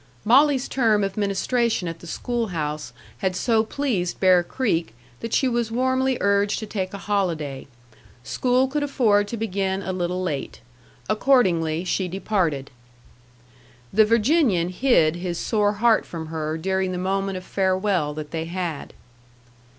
Molly's term of ministration at the schoolhouse had so pleased Bear Creek that she was warmly urged to take a holiday. School could afford to begin a little late. Accordingly, she departed. The Virginian hid his sore heart from her during the moment of farewell that they had.